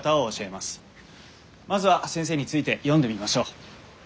まずは先生について読んでみましょう。